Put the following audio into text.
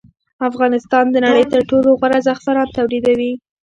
افغانستان د نړۍ تر ټولو غوره زعفران تولیدوي